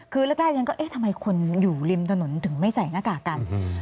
คือแรกฉันก็เอ๊ะทำไมคนอยู่ริมถนนถึงไม่ใส่หน้ากากกัน